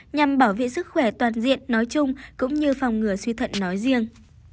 nhằm bảo vệ sức khỏe toàn diện nói chung cũng như phòng ngừa suy thận nói riêng